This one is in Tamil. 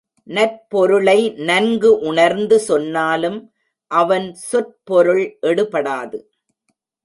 நற்பொருளை நன்கு உணர்ந்து சொன்னாலும் அவன் சொற்பொருள் எடுபடாது.